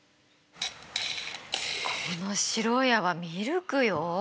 この白い泡ミルクよ。